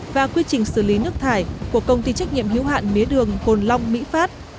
và quy trình xử lý nước thải của công ty trách nhiệm hiếu hạn mía đường cồn long mỹ phát